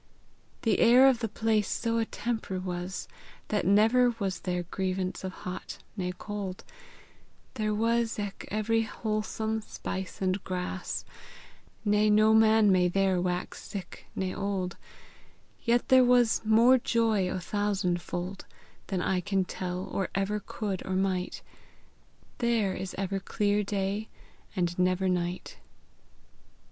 The aire of the place so attempre was, That never was ther grevance of hot ne cold, There was eke every noisome spice and gras, Ne no man may there waxe sicke ne old, Yet was there more joy o thousand fold, Than I can tell or ever could or might, There is ever clere day, and never night.